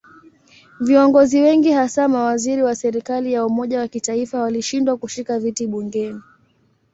Viongozi wengi hasa mawaziri wa serikali ya umoja wa kitaifa walishindwa kushika viti bungeni.